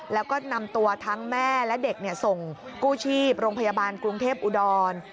แล้วก็นำตัวทั้งแม่และเด็กส่งกู้ชีพโรงพยาบาลกรุงเทพอุดร